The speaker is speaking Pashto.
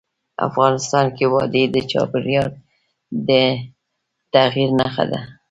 افغانستان کې وادي د چاپېریال د تغیر نښه ده.